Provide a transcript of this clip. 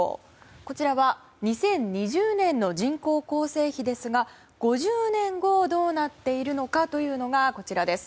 こちらは２０２０年の人口構成比ですが５０年後、どうなっているのかというのがこちらです。